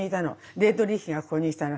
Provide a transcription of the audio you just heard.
ディートリヒがここに来たの。